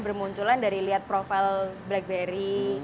bermunculan dari lihat profil blackberry